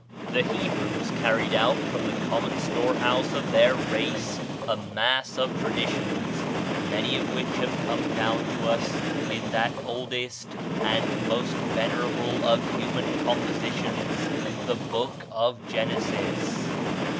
The Hebrews carried out from the common storehouse of their race a mass of traditions, many of which have come down to us in that oldest and most venerable of human compositions, the Book of Genesis.